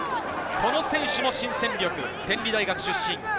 この選手も新戦力、天理大学出身。